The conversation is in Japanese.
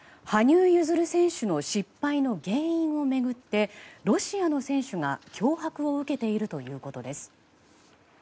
羽生結弦選手の失敗の原因を巡ってロシアの選手が脅迫を受けているとのことです。